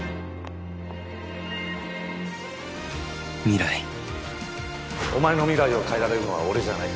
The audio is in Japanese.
未来お前の未来を変えられるのは俺じゃない。